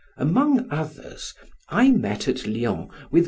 Among others, I met at Lyons, with M.